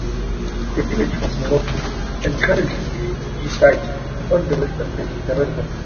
The village was moved, and currently resides on the western bank of the reservoir.